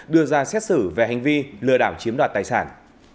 đưa ra xét xử về hành vi lừa đảo chiếm đoạt tài sản